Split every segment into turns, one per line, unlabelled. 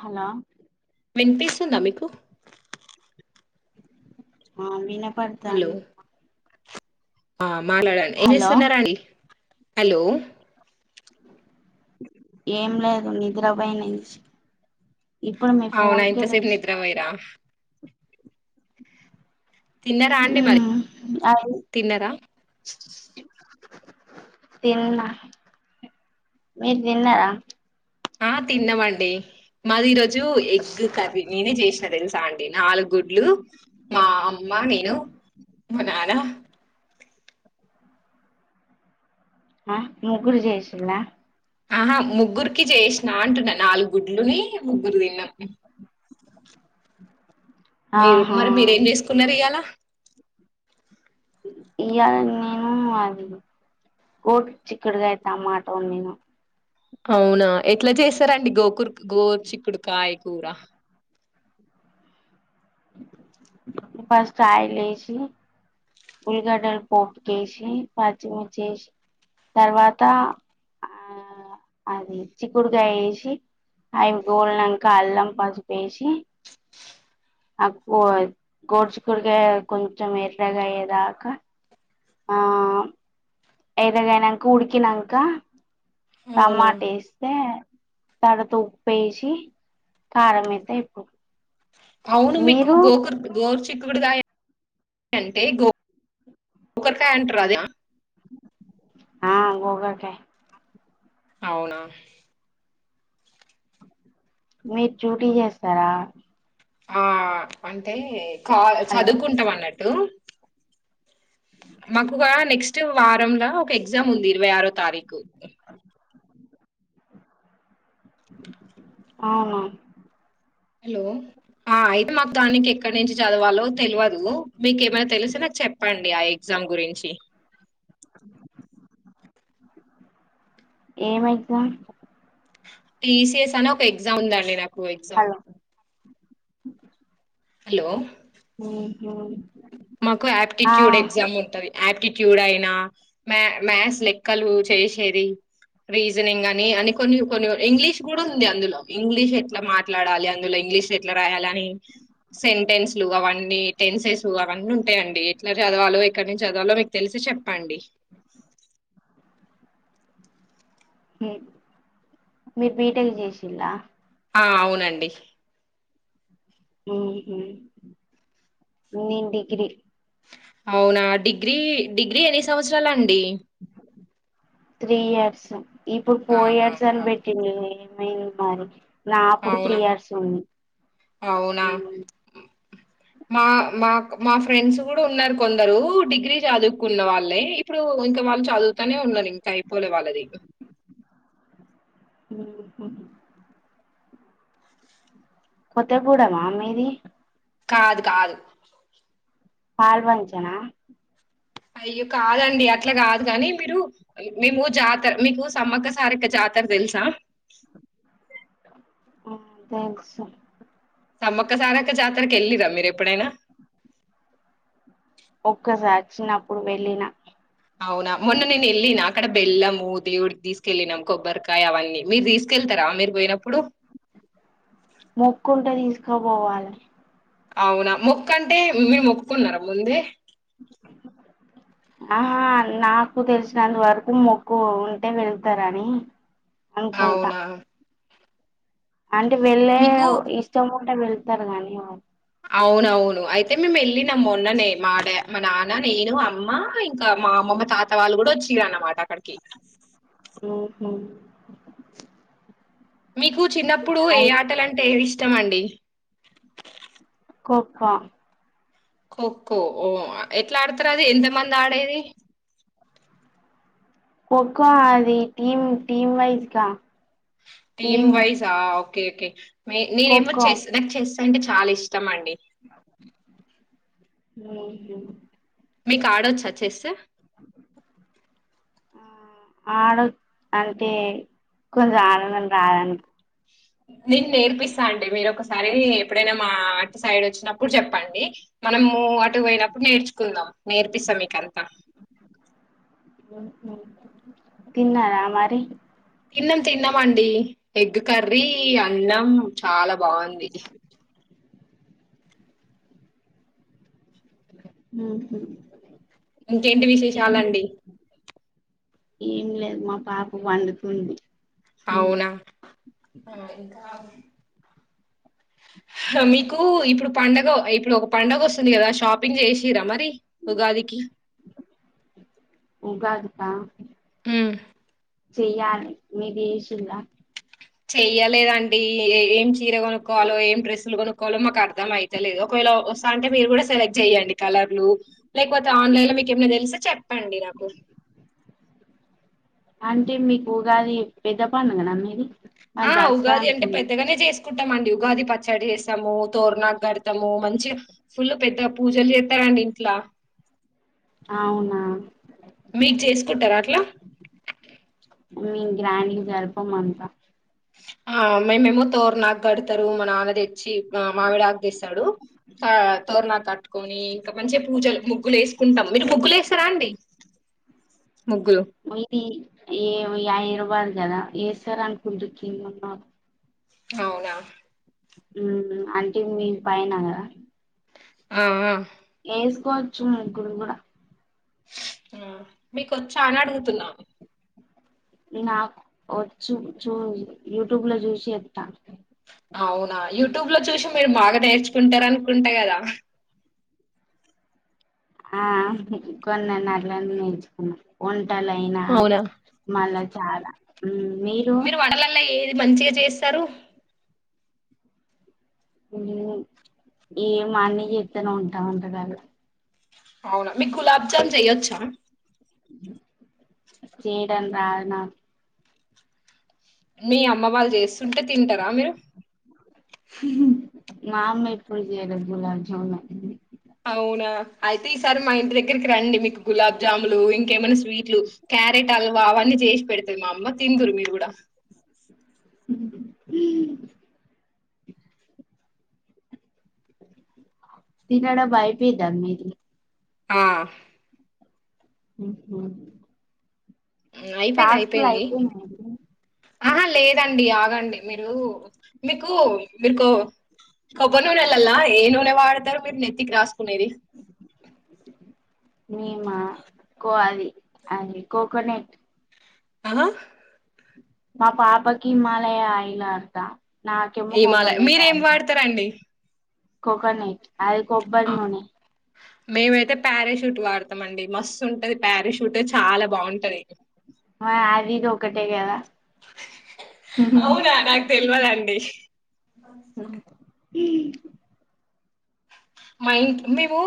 Hello.
వినిపిస్తుందా మీకు.
ఆ
హలో
వినపడ్తాంది.
ఆ మాట్లాడండి. ఏం
హలో
చేస్తున్నారండి. హలో.
ఏం లేదు నిద్రపోయినించి ఇప్పుడు మీ
అవునా
ఫోన్ కే
ఇంతసేపు
లేసిన
నిద్రపోయిరా తిన్నారా అండి మరి
హ్మ్. అవును.
తిన్నారా
తిన్నా మీర్తిన్నారా.
ఆ తిన్నమండి. మాది ఈరోజ్ జు ఎగ్ కర్రీ నేనే చేసినా తెలుసా అండి. నాలుగు గుడ్లు మా అమ్మ నేను. మా నాన్న.
ఆ ముగ్గురు చెసిండ్రా
ఆహా! ముగ్గురికి చేసినా అంటున్నా నాలుగ్గుడ్లుని ముగ్గురు తిన్నాం. మీరు
ఆహా
మరి మీరేం చేసుకున్నారియాళ.
ఇయాల నేను అది. గోర్ చిక్క్కడుగాయ టమాట వండిన.
అవునా ఎట్లా చేస్తారండి. గోకూర్ గోర్ చిక్కుడుకాయ కూర.
ఫస్ట్ ఆయిలేసి. ఉల్గడ్డల్ పోపుకేసి పచ్చిమిర్చేసి. తర్వాత ఆ అది చిక్కుడుకాయేసి. అయ్ గోల్నంకా అల్లం పసుపేసి. అగ్గో గోర్ చిక్కుడుకాయ కొంచెం ఎర్రగయ్యే దాకా ఆ. ఎర్రగయినంక ఉడికినంక
అవునా
టమాటేస్తే. తర్వాత ఉప్పేసి కారమేత్తే అయిపో
అవును మీకు గోకుర్ గోర్ చిక్. చిక్కుకాయ అంటే గో గోకర్కాయ అంటారు అదేనా
ఆ గోకర్కాయ్.
అవునా.
మీరు డ్యూటీ చేస్తారా.
ఆ అంటే కా
హలో
చదువుకుంటం అన్నట్టు. మాకోగ నెక్స్ట్ వారంలా ఒక ఎగ్జామ్ ఉంది. ఇరవై ఆరో తారీకు.
అవున.
హలో. ఆ అయితే మాకు దానికి ఎక్కడి నుంచి చదవాలో తెల్వదు మీకు ఏమైనా తెలిస్తే నాక్ చెప్పండి. ఆ ఎగ్జామ్ గురించి.
[inaudible] ఏమేగ్జామ్.
టీ సి ఎస్ అని ఒక ఎగ్జామ్ ఉందండి నాకు ఎగ్జామ్.
Hello [inaudible]
hello.
ఉహు
మాకు
ఆ
ఆప్టిట్యూడ్ ఎగ్జామ్ ఉంటది. ఆప్టిట్యూడయినా మ్యా మ్యాథ్స్ లెక్కలు చేసేది. రీజనింగని అని కొన్ని కొన్ని ఇంగ్లీష్ కూడుంది అందులో ఇంగ్లీష్ ఎట్లా మాట్లాడాలి అం ందులో ఇంగ్లీష్ ఎట్లా రాయాలని సెంటెన్స్లు అఅవన్నీ టెన్సెస్ లు అవన్నీ ఉంటయయండి ఎట్లా చదవాలో ఎక్కడ్నుంచి చదవాలో మీకు తెలిస్తే చెప్పండి.
మీరు బి టెక్ చేసిండ్ర
ఆ అవునండి
మ్మ్ హ్మ్ నేను డిగ్రీ
అవునా డిగ్రీ డిగ్రీ ఎన్ని సంవత్సరాలండి
త్రీ ఇయర్స్ ఇప్పుడు ఫోర్
ఆహా
ఇయర్స్ అని పెట్టిండిరి [inaudible] నాప్పుడు త్రీ
అవునా
ఇయర్స్ ఉంది
అవునా
అ
మా మా మా ఫ్రెండ్స్ కూడా ఉన్నారు కొందరు డిగ్రీ చదువుకున్న వాళ్ళే ఇప్పుడు ఇంకా వాళ్ళు చదువుతూనే ఉన్నారు ఇంకా అయిపోలే వాళ్ళది
మ్మ్ మ్మ్ కొత్త పూడమా మీది
కాదు కాదు
పాల్వంచనా
అయ్యో కాదండి అట్లా కాదు కానీ మీరు మేము జాతర మీకు సమ్మక్క, సారక్క జాత ర తెల్సా
మ్మ్ తెల్సు
సమ్మక్క, సారక్క జాతరకి వెళ్ళిర్రా మీరు ఎప్పుడైనా
ఒక్కసారి చిన్నప్పుడు వెళ్ళినా
అవునా మొన్న నేను వెళ్ళిన అక్కడ బెల్లము దేవుడికి తీసుకెళ్ళినం కొబ్బరికాయ అవన్నీ మీరు తీసుకెళ్తా రా మీరు పోయినప్పుడు
[unintelligible] వాళ్ళకి
అవునా మొక్కు అంటే మీరు మొక్కుకున్నారా ముందే
అహ నాకు తెలిసినంత వరకు మొక్కు ఉంటే వెళతారని అనుకుంటా
అవునా
అంటే వెళ్ళే
మీకు
ఇష్టం ఉంటే వెళ్తారు గాని వాళ్ళు
అవునవును అయితే మేము వెళ్ళిన మొన్ననే మాడ మా నాన్న, నేను, అమ్మ ఇంకా మామ మా తాత వాళ్ళు కూడా వచ్చిరనమాట
ఓహో
మీకు చిన్నప్పుడు ఏ ఆటలంటే ఇష్టం అండి
ఖోఖో
ఖోఖో ఓ ఎట్లా ఆడతారు అది ఎంత మంది ఆడేది
కోఖో అది టీం టీమ్ వైస్ గా
టీమ్ వైజా ఓకే ఓకే మే నేనేమో
ఖోఖో
చెస్ నాకు చెస్ అంటే చాలా ఇష్ టం అండి
మ్మ్ హ్మ్
మీకు ఆడొచ్చా చెస్సు
ఆడ అంటే [unintelligible]
నేను నేర్పిస్తా అండి మీరు ఒకసారి ఎప్పుడైనా మా అటు సైడ్ వచ్చినప్పుడు చెప్పండి మనము అటు పోయినప్పుడు నేర్చుకున్నా నేర్పిస్తా మీకంతా
మ్మ్ హ్మ్ తిన్నార మరి
తిన్నాం తిన్నామండి ఎగ్ కర్రీ అన్నం చాలా బాగుంది
మ్మ్ హ్మ్
ఇంకేంటి విశేషాలండి
ఏం లేదు మా పాప పండుకుంది
అవునా మీకు ఇప్పుడు పండుగ ఇప్పుడు ఒక పండుగ వస్తుంది కదా షాపింగ్ చేసిరా మరి ఉగాదికి
ఆ
ఉమ్
చెయాలి మీదేశిలా
చెయ్యలేదండి ఏం చీర కొనుక్కోవాలో ఏం డ్రెస్సులు కొనుక్కవాలో మాకు అద్ అర్ధం అయితేలేదు ఒకవేళ వస్తా అంటే మీరు కూడా సెలె చెయ్యడి కలర్లు లేకపోతే ఆన్లైన్ లో మీకు ఏమై తెలిసే చెప్పండి నాకు
అంటే మీకు ఉగాది పెద్ద పండగనా మీది
ఆ
మాది దసరా
ఉగాది అంటే
అనుకున్నా
పెద్దగానే చేస్త కుంటాంమండి ఉగాది పచ్చడి చేస్తాము తోరనాకు గడతాము మంచిగా ఫుల్ పెద్దగా పూజలు చేస్తారు అండ్ ఇట్ల
అవునా
మీక్ చేసుకుంటారా అట్లా
మేం గ్రాండింగ్ జరపం అంతా
ఆ మేమేమో తోరనాకు గడతారు మా నాన్న తెచ్చి ఆ మావిడకుదేస్తాడు తోరనాకు కట్టుకొని ఇంకా మంచిగా పూజలు ముగ్గులు వేసుకుంటాం మీరు ముగ్గులు వేస్తారా అండి ముగ్గులు
మీది ఏ ఏయ్య ఐ రూపాదు కదా వేస్తారు అనుకుంటి కిందునోల్
అవునా
ఉమ్ అంటే మీద్ పైన కదా
ఆ ఆ
వేసుకోవచ్చు ముగ్గురు కూడా
ఆ మీకు వచ్చా అని అడుగుతున్నా
నాకు వోచ్చు చూ యూట్యూబ్ లో చూసి ఎత్త
అవునా యూట్యూబ్ లో చూసి మీరు బాగా నేర్చుకుంటారనుకుంటే కదా
ఆ కొనన్న అట్లనే నేర్చుకున్న ఓన్ టలైనా
అవునా
మళ్ళా చాలా ఉమ్
మీరు వడలల్లో ఏది మంచిగా చేస్తారు
నేను ఏ మాన్నీ జెత్తనే ఉంటా వంటకాల్లో
అవునా మీకు గులాబ్ జామ్ చెయ్యొచ్చా
చేయడం రాదు నాక్
మీ అమ్మ వాళ్ళు చేస్తుంటే తింటారా మీరు
మా అమ్మ ఎప్పుడు జెయ్యదు గులాబ్ జామే
అవునా అయితే ఈసారి మా ఇంటి దగ్గరికి రండి మీకు గులాబ్ జాములు ఇంకేమైనా స్వీట్లు క్యారెట్ హల్వా అవన్నీ జేసి పెడతాది మా అమ్మ తిందురు మీరు కూడా
తినడం అయిపింద మీది
ఆ
ఉహు
ఉ అయిపోయింది అయిపోయింది ఆహా లేదండి ఆగండి మీరు మీకు మీకో కొబ్బరి నూనెలల్ల ఏ నూనె వాడతారు మీరు నెత్తికి రాసుకునేది
మీమా కో అది అది కోకోనెట్
ఆ
మా పాపాకి హిమాలయ ఆయిల్ వాడతా నాకేమో
హిమాలయ
కోకోనట్
మీరేం
ఆయిలు
వాడతారండి
కోకోనట్ అది కొబ్బరి
ఆ,
నూనె
మేమైతే పారాషూట్ వాడతాం అండి మస్తు ఉంటది పారాషూట్ చాలా బాగుంటది
మరి అది ఇది ఒకటే కదా
అవునా నాకు తెల్వదండి బన్స్
ఈ
మా ఇం మేము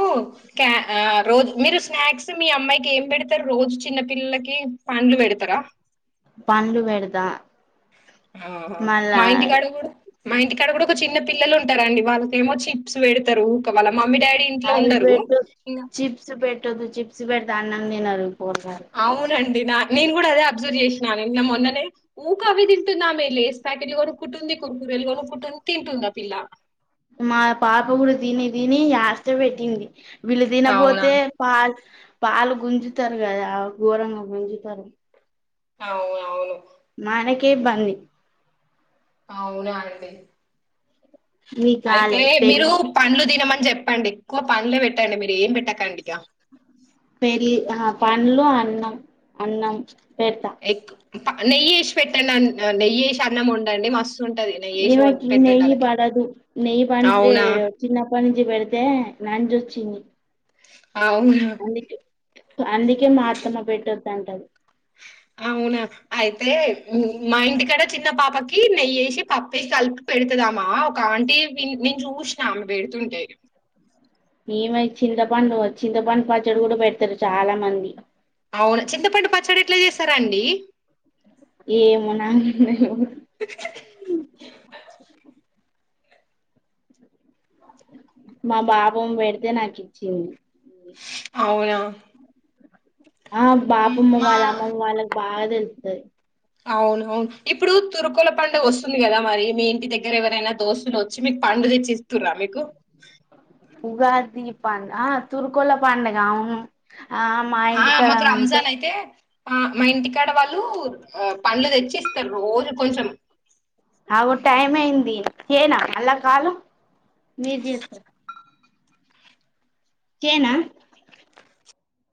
క్యా ఆ రోజు మీరు స్నాక్స్ మీ అమ్మాయికి ఏం పెడతారు రోజు చిన్న పిల్లలకి పండ్లు పెడుతారా.
పండ్లు పెడతా మళ్ళా
మా ఇంటి కాడ కూడా మా ఇంటిక్కడ కూడా ఒక చిన్న పిల్లలు ఉంటారండి వాళ్ళకేమో చిప్స్ పెడతారు ఊక వల్ల
అయి పెట్టు చిప్స్ పెట్టొద్ చిప్స్ పెడితే అన్నం తినరు. పోరగాళ్ళు
అవునం డి నేను కూడా అదే అబ్జర్వ్ చేసిన నిన్న మొన్ననే ఊకే అవి తింటుంది. ఆమె లేస్ ప్యాకెట్లు కొనుక్కుంటుంది. కురుకురేలు కొనుకుంటుంది తింటుంది ఆ పిల్ల
మా పాప కూడా తిని తిని యాష్ట పెట్టింది వీళ్ళు
అవునా
తినపోతే పా పాలు గుంజుతరు కదా ఘోరంగా గుంజుతారు.
అవును అవును
మానకే ఇబ్బంది.
అవునా అండి
మీక్
అయితే
కాలే
మీరు
పెళ్లి
పండ్లు తినమని చెప్పండి ఎక్కువ పండ్లే పెట్టండి మీరు ఏం పెట్టకండి ఇగ
పెళ్లి ఆహ పండ్లు అన్నం అన్నం పెడతా
ఎగ్ నెయ్యి వేసి పెట్టండి అ నెయ్యి వేసి అన్నం వండండి మస్తు ఉంటది నెయ్యి వేసి వం
ఈమెకి
పెట్టండి
నెయ్యి
ఆళ్ళకి
బాడదు నెయ్యి బాంటే
అవునా
చిన్నప్పనించి పేడుతే నంజు వచ్చింది.
అవునా
అందుకే అందుకే మా అత్తమ్మ పెట్టొదు అంటది.
అవునా అయితే మా ఇంటి కడ చిన్న పాపకి నెయ్యేసి పప్పేసి కలిపి పెడతదామా ఒక ఆంటీ వీన్ నేను చూసినా దుంటై
మేమైతే చింతపండు చింతపండు పచ్చడి కూడా పెడతలే చాలా మంది
అవును చింతపండు పచ్చడి ఎట్లా చేస్తారాండి.
ఏమో నాకు తెలవదు
[inaudible]
మా బాపమ్మ పెడితే నాకు ఇచ్చేది.
అవునా
ఆ
ఉమ్,
బాపమ్మ
మా
వాళ్ళ అమ్మమ్మ వాళ్ళకి బాగా తెలుతది.
అవును అవును ఇప్పుడు తురుకోల పండుగ వస్తుంది కదా మరి మీ ఇంటి దగ్గర ఎవరైనా దోస్తులు వచ్చి మీకు ప పండ్లు తేచ్చి ఇస్తురా మీకు
ఉగాది పండుగ ఆ తురుకొల పండుగ అవును ఆ మా
ఆ
ఇంటికి కాడ
మాకు
ఉంటే
రంజాన్ అయితే ఆ మా ఇంటికాడ వాళ్ళు పండ్లు తెచ్చి ఇస్తారు రోజు కొంచెం
అగో టైమ్ ఐంది చేయనా మల్ల కాల్ మీరూ జేతర చేయానా